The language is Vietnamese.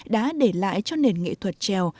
đã để lại cho nền nghệ thuật trèo